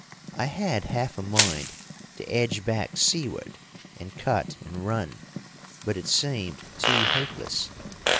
I had half a mind to edge back seaward and cut and run, but it seemed too hopeless.